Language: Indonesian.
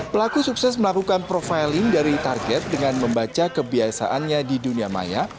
pelaku sukses melakukan profiling dari target dengan membaca kebiasaannya di dunia maya